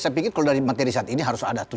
saya pikir kalau dari materi saat ini harus ada